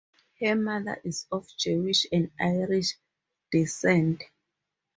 Her mother is of Jewish and Irish descent.